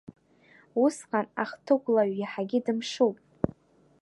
Усҟан ахҭыгәлаҩ иаҳагьы дымшуп!